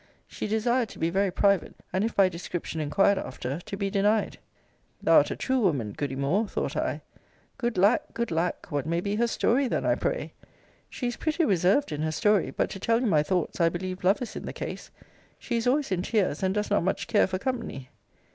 She desired to be very private; and if by description inquired after, to be denied. Thou art a true woman, goody Moore, thought I. Good lack good lack! What may be her story then, I pray? She is pretty reserved in her story: but, to tell you my thoughts, I believe love is in the case: she is always in tears, and does not much care for company.